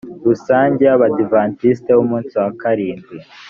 rusange y abadiventisiti b umunsi wa karindwi